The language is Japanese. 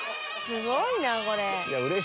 すごいなこれ。